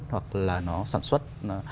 hoặc là nó sản xuất